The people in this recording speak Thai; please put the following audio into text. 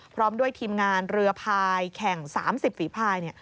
พร้อมด้วยทีมงานเรือพายแข่ง๓๐ฝีภาย